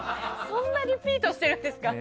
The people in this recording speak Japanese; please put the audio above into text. そんなリピートしてるんですか。